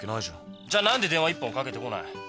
じゃ何で電話１本かけてこない。